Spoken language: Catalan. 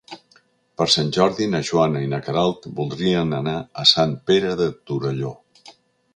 Per Sant Jordi na Joana i na Queralt voldrien anar a Sant Pere de Torelló.